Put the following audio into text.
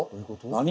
何？